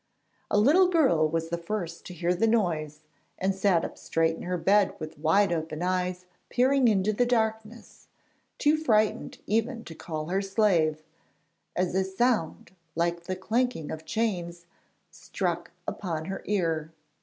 A little girl was the first to hear the noise and sat up straight in her bed with wide open eyes peering into the darkness, too frightened even to call to her slave, as a sound like the clanking of chains struck upon her ear.